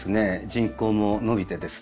人口も伸びてですね